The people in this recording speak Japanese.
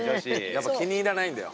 やっぱ気に入らないんだよ